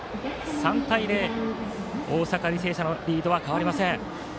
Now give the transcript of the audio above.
３対０と大阪・履正社のリードは変わりません。